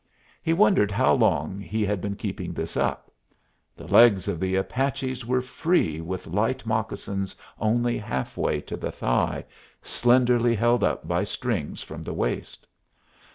He wondered how long he had been keeping this up. The legs of the Apaches were free, with light moccasins only half way to the thigh, slenderly held up by strings from the waist.